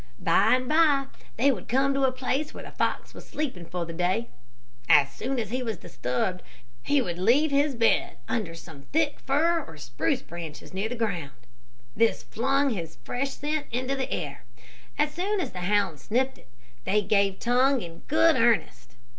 By and by, they would come to a place where the fox was sleeping for the day. As soon as he was disturbed he would leave his bed under some thick fir or spruce branches near the ground. This flung his fresh scent into the air. As soon as the hounds sniffed it, they gave tongue in good earnest.